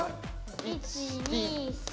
１２３！